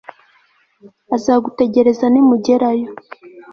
Azagutegereza nimugerayo